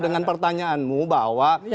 dengan pertanyaanmu bahwa